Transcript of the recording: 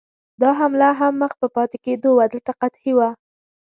دا حمله هم مخ په پاتې کېدو وه، دلته قحطي وه.